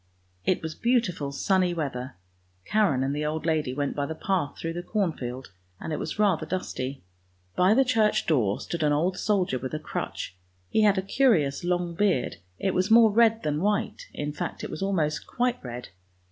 It was beautiful, sunny weather; Karen and the old lady went by the path through the cornfield, and it was rather dusty. 64 ANDERSEN'S FAIRY TALES By the church door stood an old soldier, with a crutch; he had a curious long beard, it was more red than white, in fact it was almost quite red.